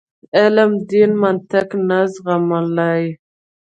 علم دین منطق نه زغملای.